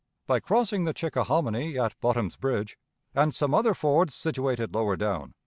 By crossing the Chickahominy at Bottom's Bridge, and some other fords situated lower down